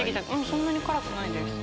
そんなに辛くないです。